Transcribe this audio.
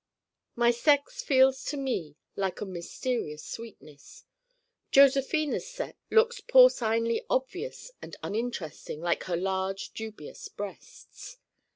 My sex feels to me like a mysterious sweetness. Josephina's sex looks porcinely obvious and uninteresting like her large dubious breasts.